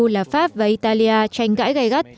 là pháp và italia tranh cãi gây gắt